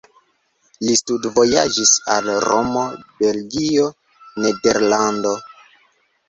Li studvojaĝis al Romo, Belgio, Nederlando.